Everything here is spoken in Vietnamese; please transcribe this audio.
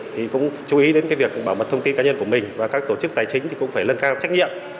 khiết cũng chú ý đến việc bảo mật thông tin cá nhân của mình và các tổ chức tài chính cũng phải lân cao trách nhiệm